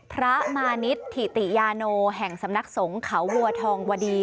พระมานิดถิติยาโนแห่งสำนักสงฆ์เขาวัวทองวดี